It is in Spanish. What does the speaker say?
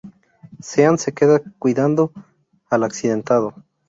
Sean se queda cuidando al accidentado.